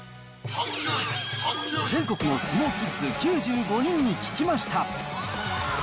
全国の相撲キッズ９５人に聞きました。